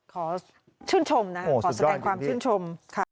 ขอชื่นชมนะขอแสดงความชื่นชม